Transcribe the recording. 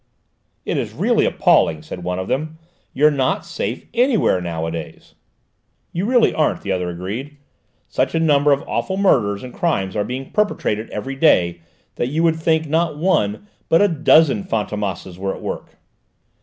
"It is really appalling," said one of them; "you're not safe anywhere nowadays." "You really aren't," the other agreed. "Such a number of awful murders and crimes are being perpetrated every day that you would think not one, but a dozen Fantômas were at work!"